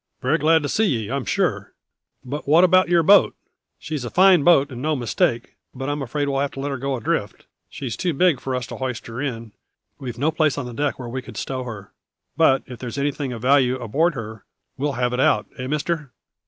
"Very glad to see ye, I'm sure. But what about your boat? She's a fine boat and no mistake; but I'm afraid we'll have to let her go adrift. She's too big for us to hoist her in; we've no place on deck where we could stow her. But if there's anything of value aboard her we'll have it out, eh, mister?"